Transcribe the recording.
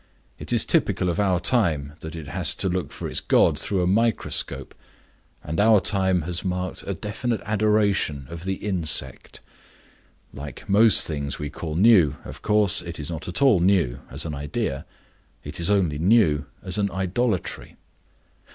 It is typical of our time that it has to look for its god through a microscope; and our time has marked a definite adoration of the insect. Like most things we call new, of course, it is not at all new as an idea; it is only new as an idolatry.